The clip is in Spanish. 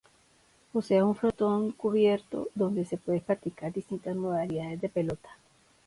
Posee un frontón cubierto, donde se pueden practicar distintas modalidades de pelota.